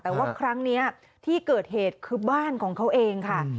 แต่ว่าครั้งนี้ที่เกิดเหตุคือบ้านของเขาเองค่ะ